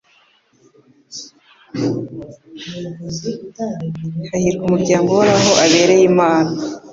hahirwa umuryango Uhoraho abereye Imana